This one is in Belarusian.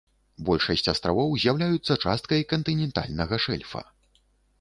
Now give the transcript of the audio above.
Большасць астравоў з'яўляюцца часткай кантынентальнага шэльфа.